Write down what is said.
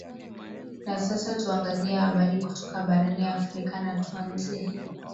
na sasa tuangazie habari kutoka barani afrika na tuanzie